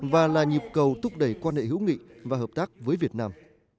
và là nhịp cầu thúc đẩy quan hệ hữu nghị và hợp tác với việt nam